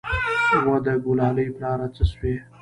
وه د ګلالي پلاره څه سوې.